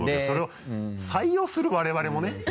それを採用する我々もね。